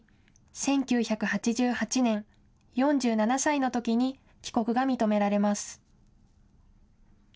１９８８年、４７歳のときに帰国が認められます。